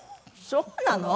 そうなの？